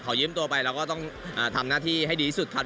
ยืมตัวไปเราก็ต้องทำหน้าที่ให้ดีที่สุดครับ